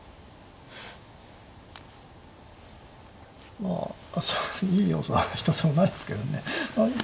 まああといい要素が一つもないですけどね。